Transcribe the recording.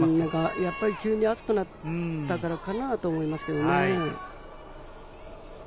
やはり急に暑くなったからだと思いますね。